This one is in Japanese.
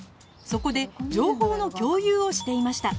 そこで情報の共有をしていました